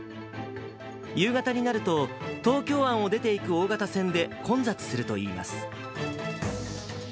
夕方になると、東京湾を出ていく大型船で混雑するといいます。